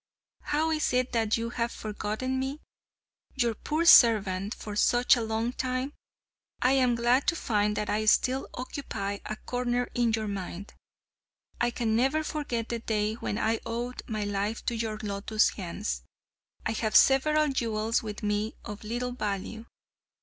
How is it that you have forgotten me, your poor servant, for such a long time? I am glad to find that I still occupy a corner in your mind. I can never forget the day when I owed my life to your lotus hands. I have several jewels with me of little value.